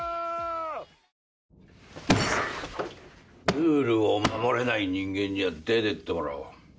ルールを守れない人間には出てってもらおう。